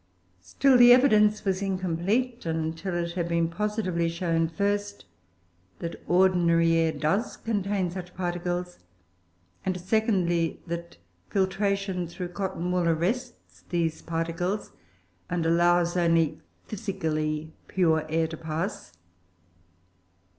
Still the evidence was incomplete until it had been positively shown, first, that ordinary air does contain such particles; and, secondly, that filtration through cotton wool arrests these particles and allows only physically pure air to pass.